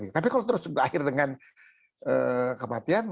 tapi kalau terus berakhir dengan kematian